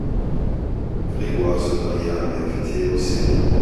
Grégoire se maria avec Théosébia.